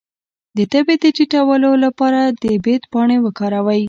د تبې د ټیټولو لپاره د بید پاڼې وکاروئ